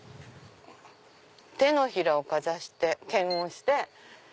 手のひらをかざして検温して。